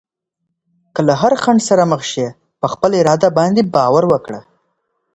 که له هر خنډ سره مخ شې، په خپل اراده باندې باور وکړه.